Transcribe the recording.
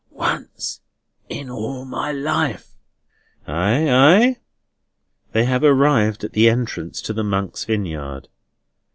"Once in all my life." "Ay, ay?" They have arrived at the entrance to the Monks' Vineyard.